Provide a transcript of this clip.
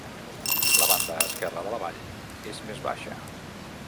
La banda esquerra de la vall és més baixa.